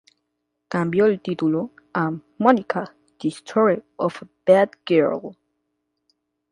Cambió el título a "Monika, the story of a bad girl".